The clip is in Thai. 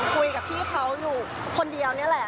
คุยกับพี่เขาอยู่คนเดียวนี่แหละ